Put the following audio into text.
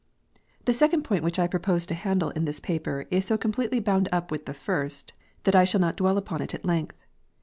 The second point which I propose to handle in this paper is so completely bound up with the first, that I shall not dwell upon it at length.